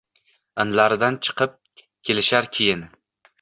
Inlaridan chiqib kelishar keyin